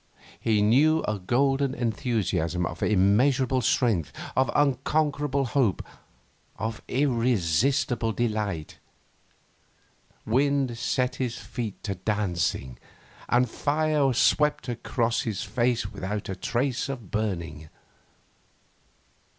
He knew a golden enthusiasm of immeasurable strength, of unconquerable hope, of irresistible delight. Wind set his feet to dancing, and fire swept across his face without a trace of burning.